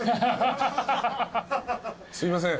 すいません。